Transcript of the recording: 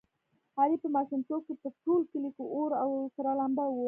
علي په ماشومتوب کې په ټول کلي کې اور او سره لمبه و.